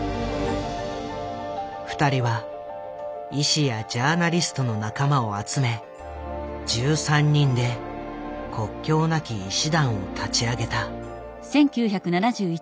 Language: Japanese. ２人は医師やジャーナリストの仲間を集め１３人で国境なき医師団を立ち上げた。